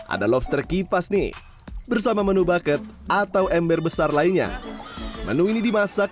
ada lobster kipas nih bersama menu bucket atau ember besar lainnya menu ini dimasak